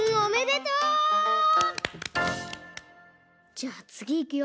じゃあつぎいくよ。